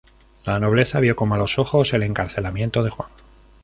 La nobleza vio con malos ojos el encarcelamiento de Juan.